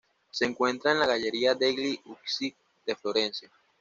Se encuentra en la Galleria degli Uffizi de Florencia.